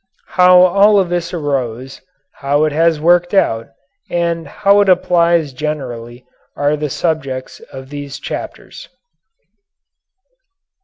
How all of this arose, how it has worked out, and how it applies generally are the subjects of these chapters.